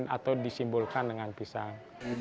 atau disimbolkan dengan pisang